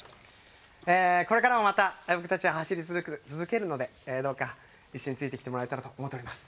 これからもまた僕たちは走り続けるのでどうか一緒についてきてもらえたらと思っております。